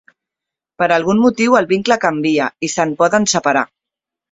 Per algun motiu el vincle canvia i se'n poden separar.